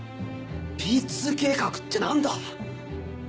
Ｐ２計画って何だ？